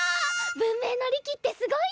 文明の利器ってすごいね。